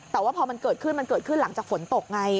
แต่ว่าพอมันเกิดขึ้นมันเกิดขึ้นหลังจากฝนตกไง